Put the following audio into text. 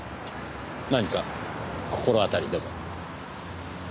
何か心当たりでも。